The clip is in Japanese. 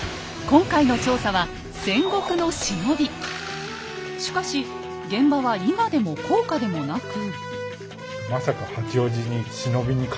今回の調査はしかし現場は伊賀でも甲賀でもなく。